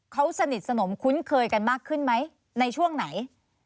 เขาสนิทสนมคุ้นเคยกันมากขึ้นไหมในช่วงไหน